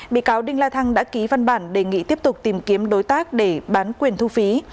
bị cáo đinh la thăng đã ký văn bản đề nghị tiếp tục tìm kiếm đối tác để bán quyền thu phí